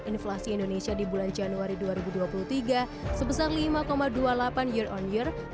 inflasi indonesia di bulan januari dua ribu dua puluh tiga sebesar lima dua puluh delapan year on year